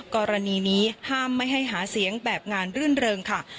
กรณีนี้ห้ามไม่ให้หาเสียงแบบงานรื่นเริงค่ะ